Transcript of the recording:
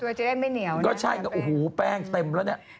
ตัวจะได้ไม่เหนียวนะแป้งแป้งเต็มแล้วเนี่ย